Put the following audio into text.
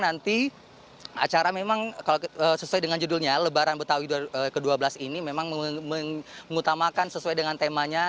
nanti acara memang kalau sesuai dengan judulnya lebaran betawi ke dua belas ini memang mengutamakan sesuai dengan temanya